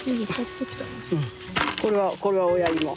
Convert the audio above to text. これはこれは親芋。